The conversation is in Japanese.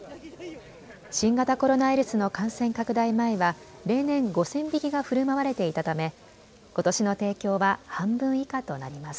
新型コロナウイルスの感染拡大前は例年５０００匹がふるまわれていたため、ことしの提供は半分以下となります。